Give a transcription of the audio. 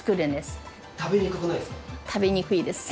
食べにくくないですか？